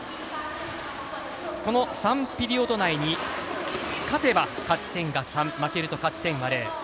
この３ピリオド内に勝てば勝ち点が３、負けると勝ち点は０。